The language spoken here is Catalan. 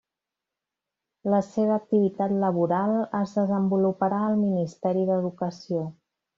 La seva activitat laboral es desenvoluparà al Ministeri d'Educació.